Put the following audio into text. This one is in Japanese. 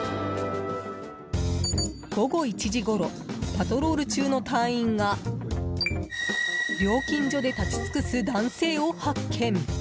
午後１時ごろパトロール中の隊員が料金所で立ち尽くす男性を発見。